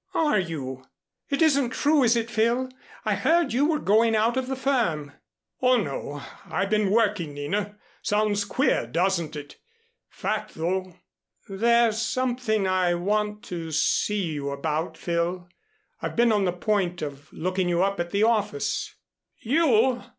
'" "Are you? It isn't true, is it, Phil? I heard you were going out of the firm." "Oh, no. I've been working, Nina. Sounds queer, doesn't it? Fact, though." "There's something I want to see you about, Phil. I've been on the point of looking you up at the office." "You!